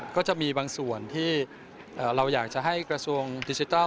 ก็จะมีบางส่วนที่เราอยากจะให้กระทรวงดิจิทัล